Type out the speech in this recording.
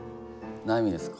悩みですか？